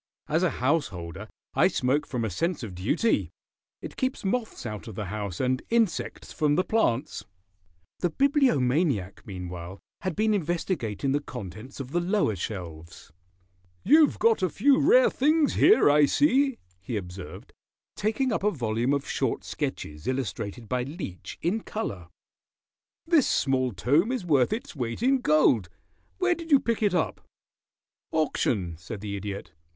"As a householder I smoke from a sense of duty. It keeps moths out of the house, and insects from the plants." [Illustration: "THE BIBLIOMANIAC WAS INVESTIGATING THE CONTENTS OF THE LOWER SHELVES"] The Bibliomaniac meanwhile had been investigating the contents of the lower shelves. "You've got a few rare things here, I see," he observed, taking up a volume of short sketches illustrated by Leech, in color. "This small tome is worth its weight in gold. Where did you pick it up?" "Auction," said the Idiot.